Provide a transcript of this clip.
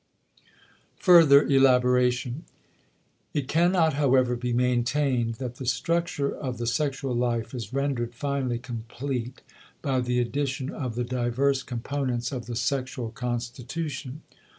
*Further Elaboration.* It cannot, however, be maintained that the structure of the sexual life is rendered finally complete by the addition of the diverse components of the sexual constitution.